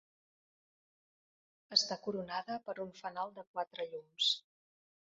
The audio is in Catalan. Està coronada per un fanal de quatre llums.